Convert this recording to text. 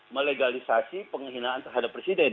melegalisasi penghinaan terhadap presiden